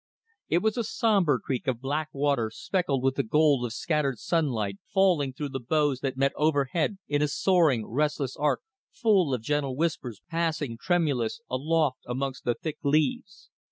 It was a sombre creek of black water speckled with the gold of scattered sunlight falling through the boughs that met overhead in a soaring, restless arc full of gentle whispers passing, tremulous, aloft amongst the thick leaves.